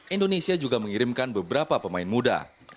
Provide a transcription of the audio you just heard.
indonesia juga mengirimkan beberapa pemain muda